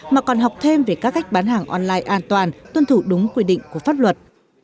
mà còn học thêm về các cách bán hàng online an toàn tuân thủ đúng quy định của pháp luật